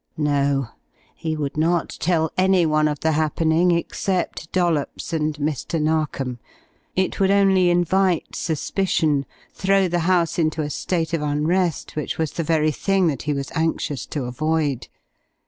No, he would not tell any one of the happening except Dollops and Mr. Narkom. It would only invite suspicion, throw the house into a state of unrest which was the very thing that he was anxious to avoid.